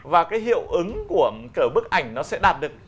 và cái hiệu ứng của bức ảnh nó sẽ đạt được